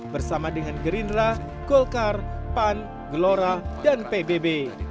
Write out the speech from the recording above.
bersama dengan gerindra golkar pan gelora dan pbb